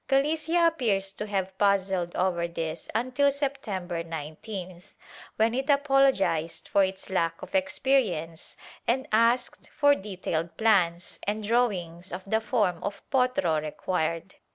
Galicia appears to have puzzled over this until September 19th, when it apologized for its lack of experience and asked for detailed plans and drawings of the form of potro required.